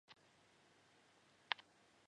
又称为同侪互评或同行评量。